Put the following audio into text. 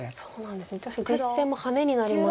確かに実戦もハネになりました。